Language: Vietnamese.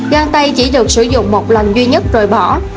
găng tay chỉ được sử dụng một lần duy nhất rời bỏ